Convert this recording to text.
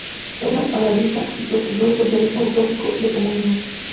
Fue un agrarista y precursor del socialismo utópico y del comunismo.